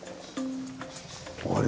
あれ？